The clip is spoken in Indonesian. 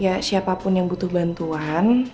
ya siapapun yang butuh bantuan